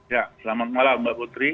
ya selamat malam mbak putri